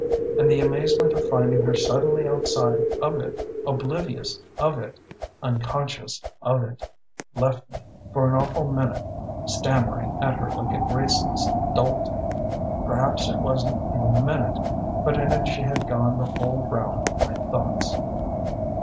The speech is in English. And the amazement of finding her suddenly outside of it, oblivious of it, unconscious of it, left me, for an awful minute, stammering at her like a graceless dolt.... Perhaps it wasn't even a minute; but in it she had gone the whole round of my thoughts.